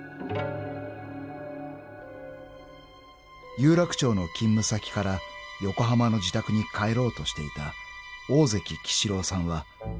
［有楽町の勤務先から横浜の自宅に帰ろうとしていた大関鬼子郎さんはその炎を目撃していた］